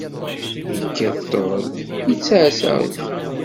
Yekkat ṭṭbel, yettɛassa aɣyul.